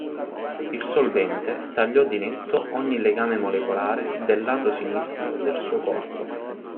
Il solvente tagliò di netto ogni legame molecolare del lato sinistro del suo corpo.